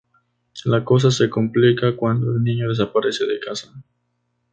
La cosa se complica cuando el niño desaparece de casa.